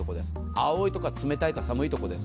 青いところは冷たいか寒いところです。